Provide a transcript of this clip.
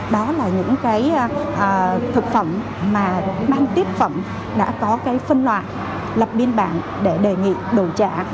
đó là những cái thực phẩm mà ban tiết phẩm đã có cái phân loại lập biên bản để đề nghị đồ trả